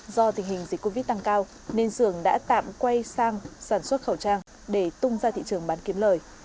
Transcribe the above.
do tình hình dịch covid tăng cao nên sưởng đã tạm quay sang sản xuất khẩu trang để tung ra thị trường bán kiếm lời